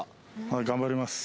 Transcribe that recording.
はい頑張ります